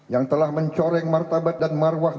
yang telah mencoreng martabat dan marwah